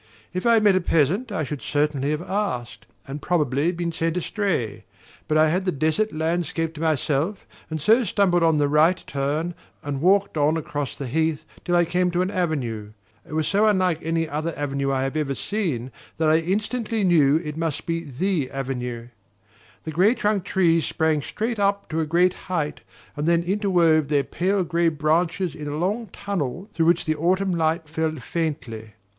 If I had met a peasant I should certainly have asked, and probably been sent astray; but I had the desert landscape to myself, and so stumbled on the right turn and walked on across the heath till I came to an avenue. It was so unlike any other avenue I have ever seen that I instantly knew it must be THE avenue. The grey trunked trees sprang up straight to a great height and then interwove their pale grey branches in a long tunnel through which the autumn light fell faintly.